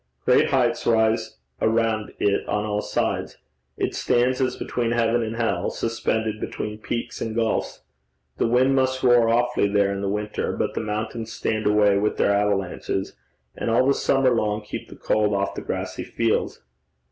Great heights rise around it on all sides. It stands as between heaven and hell, suspended between peaks and gulfs. The wind must roar awfully there in the winter; but the mountains stand away with their avalanches, and all the summer long keep the cold off the grassy fields.